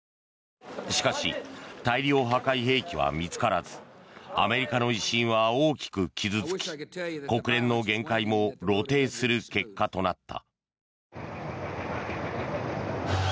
しかし大量破壊兵器は見つからずアメリカの威信は大きく傷付き国連の限界も露呈する結果となった。